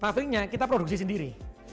pavingnya kita produksi sendiri